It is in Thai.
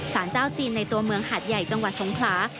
สารเจ้าจีนในตัวเมืองหาดใหญ่จังหวัดสงขลา